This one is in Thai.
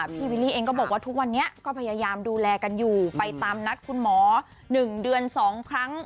วิลลี่เองก็บอกว่าทุกวันนี้ก็พยายามดูแลกันอยู่ไปตามนัดคุณหมอ๑เดือน๒ครั้ง